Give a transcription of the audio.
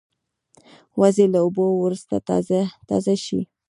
وزې له اوبو وروسته تازه شي